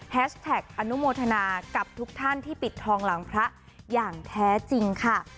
แท็กอนุโมทนากับทุกท่านที่ปิดทองหลังพระอย่างแท้จริงค่ะ